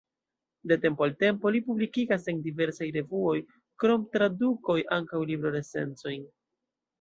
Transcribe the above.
De tempo al tempo li publikigas en diversaj revuoj, krom tradukoj, ankaŭ libro-recenzojn.